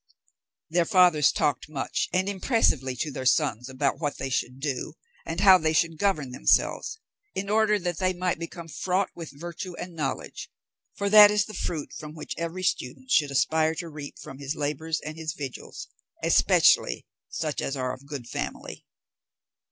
Their fathers talked much and impressively to their sons about what they should do, and how they should govern themselves, in order that they might become fraught with virtue and knowledge, for that is the fruit which every student should aspire to reap from his labours and his vigils, especially such as are of good family.